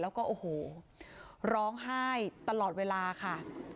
แล้วก็โอ้โหร้องไห้ตลอดเวลาค่ะ